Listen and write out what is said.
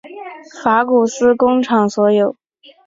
法古斯工厂所有。